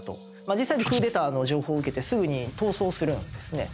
実際クーデターの情報を受けてすぐに逃走するんですね。